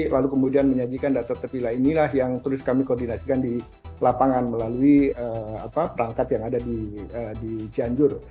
lalu kemudian menyajikan data terpilah inilah yang terus kami koordinasikan di lapangan melalui perangkat yang ada di cianjur